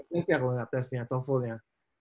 tokyo kalau nggak tesnya toefl nya